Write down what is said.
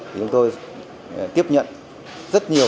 chúng tôi tiếp nhận rất nhiều